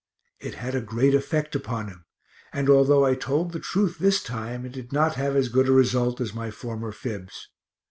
It had a great effect upon him, and although I told the truth this time it did not have as good a result as my former fibs.